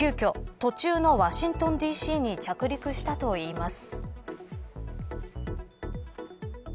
途中のワシントンＤ．Ｃ．に着陸したといいます。